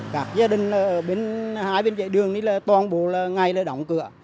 các gia đình ở bên hải bên dạy đường thì toàn bộ là ngay là động cửa